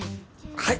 はい。